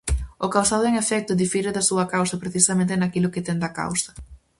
O causado, en efecto, difire da súa causa precisamente naquilo que ten da causa.